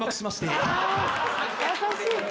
優しい。